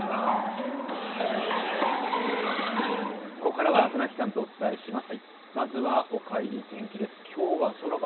ここからは船木さんとお伝えします。